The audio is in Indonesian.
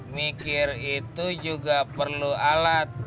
mikir itu juga perlu alat